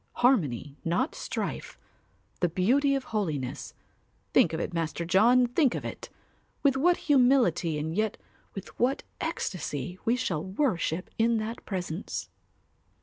Harmony not strife, the Beauty of Holiness, think of it, Master John, think of it! With what humility and yet with what ecstasy we shall worship in that presence.